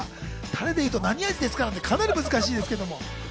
たれでいうと何味ですか？なんてかなり難しいです。